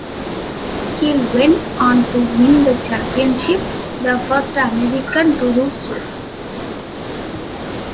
Hill went on to win the championship, the first American to do so.